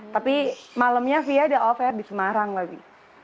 tapi malamnya fia udah over di semarang lagi